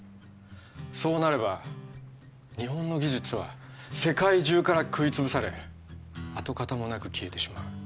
そうなれば日本の技術は世界中から食い潰され跡形もなく消えてしまう